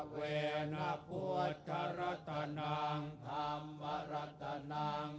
เวนปุถรตรนังธรรมรตนัง